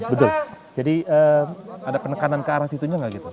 betul jadi ada penekanan ke arah situnya nggak gitu